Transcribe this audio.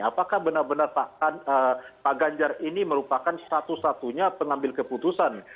apakah benar benar pak ganjar ini merupakan satu satunya pengambil keputusan